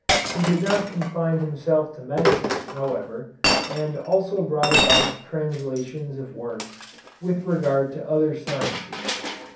He did not confine himself to medicine, however, but also brought about translations of works with regard to other sciences.